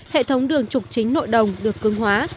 hệ thống đường trục chính nội đồng được cưng hóa